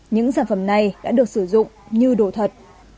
những sản phẩm này đã được sử dụng như đồ thật